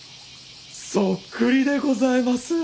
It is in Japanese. そっくりでございます！